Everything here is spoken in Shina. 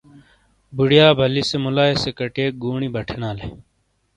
بوڈایا بلی سے مولائے کٹیک گونی بٹھینالے۔